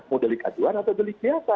mau delik aduan atau delik biasa